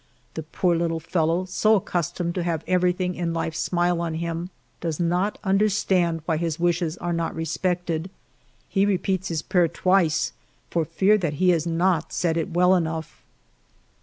The poor little fellow, so accustomed to have everything in life smile on him, does not understand why his wishes are not respected. He repeats his prayer twice, for fear that he has not said it well enough.